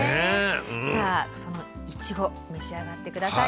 さあそのいちご召し上がって下さい。